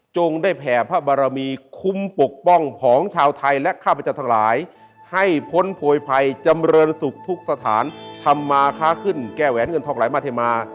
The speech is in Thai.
ได้แผ่พระบารมีคุ้มปกป้องของชาวไทยและข้าพเจ้าทั้งหลายให้พ้นโพยภัยจำเรินสุขทุกสถานทำมาค้าขึ้นแก้แหวนเงินทองไหลมาเทมา